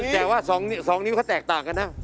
แต่ว่า๒นิ้วเขาแตกต่างกันนะ